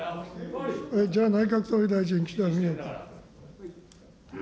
じゃあ内閣総理大臣、岸田文雄君。